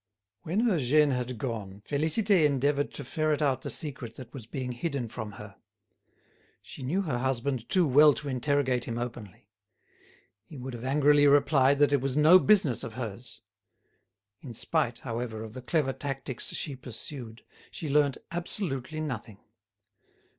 When Eugène had gone, Félicité endeavoured to ferret out the secret that was being hidden from her. She knew her husband too well to interrogate him openly. He would have angrily replied that it was no business of hers. In spite, however, of the clever tactics she pursued, she learnt absolutely nothing.